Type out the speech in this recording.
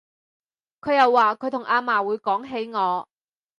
佢又話佢同阿嫲會講起我